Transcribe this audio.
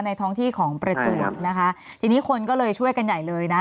ท้องที่ของประจวบนะคะทีนี้คนก็เลยช่วยกันใหญ่เลยนะ